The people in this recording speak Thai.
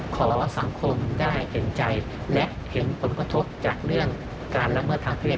ขอรับสังคมได้เห็นใจและเห็นผลกระทบจากเรื่องการละเมิดทางเพศ